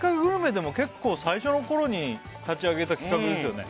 でも結構最初の頃に立ち上げた企画ですよね